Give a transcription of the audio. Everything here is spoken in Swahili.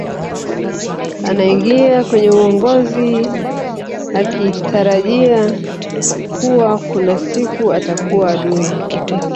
anaingia kwenye uongozi hakitarajia kuwa kuna siku atakua adui